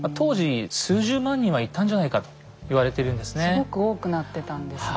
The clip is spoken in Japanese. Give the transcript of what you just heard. すごく多くなってたんですね。